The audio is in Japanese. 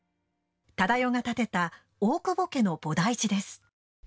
忠世が建てた大久保家の菩提寺です。